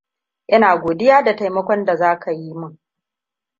Ina godiya da taimakon da za ka yi min.